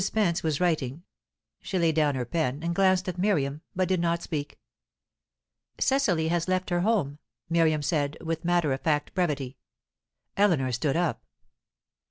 Spence was writing; she laid down her pen, and glanced at Miriam, but did not speak. "Cecily has left her home," Miriam said, with matter of fact brevity. Eleanor stood up.